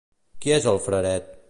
Qui és el Fraret?